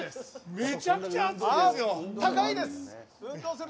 めちゃくちゃ暑いです。